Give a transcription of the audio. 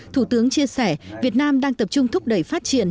thủ tướng chia sẻ việt nam đang tập trung thúc đẩy phát triển